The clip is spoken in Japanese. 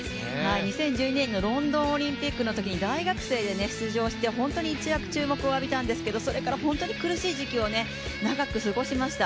２０１２年のロンドンオリンピックのときに大学生で出場して、本当に一躍注目を浴びたんですがそれから本当に苦しい時期を長く過ごしました。